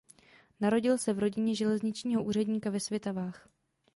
Narodil se v rodině železničního úředníka ve Svitavách.